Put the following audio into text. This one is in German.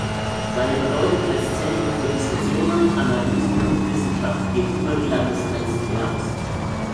Seine Bedeutung als Zentrum für Diskussionen, Analysen und Wissenschaft geht über die Landesgrenzen hinaus.